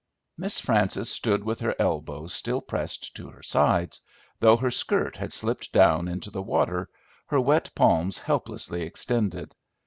Miss Frances stood with her elbows still pressed to her sides, though her skirt had slipped down into the water, her wet palms helplessly extended.